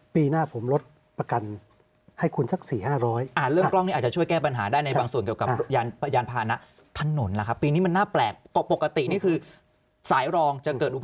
ปีหน้าผมลดประกันให้คุณสัก๔๕๐๐